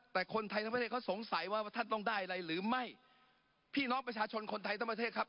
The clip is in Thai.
แต่คนไทยทั้งประเทศเขาสงสัยว่าท่านต้องได้อะไรหรือไม่พี่น้องประชาชนคนไทยทั้งประเทศครับ